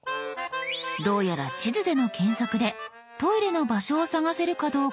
どうやら地図での検索でトイレの場所を探せるかどうかに興味があるようです。